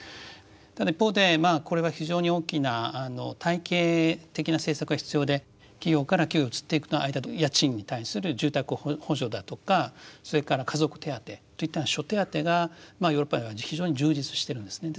ただ一方でまあこれは非常に大きな体系的な政策が必要で企業から企業へ移っていく間の家賃に対する住宅補助だとかそれから家族手当といった諸手当がヨーロッパでは非常に充実してるんですね。